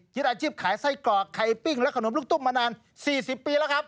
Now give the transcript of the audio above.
อาชีพขายไส้กรอกไข่ปิ้งและขนมลูกตุ้มมานาน๔๐ปีแล้วครับ